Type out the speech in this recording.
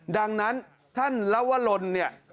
ดังนั้นท่านลวลลเนี่ย